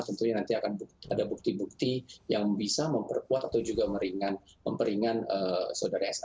tentunya nanti akan ada bukti bukti yang bisa memperkuat atau juga memperingan saudara sa